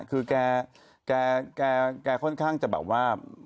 คือแกค่อนข้างจะแบบว่า